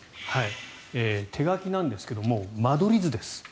手書きなんですが間取り図です。